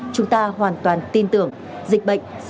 chúng ta hoàn toàn tin tưởng dịch bệnh sẽ sớm được đẩy lùi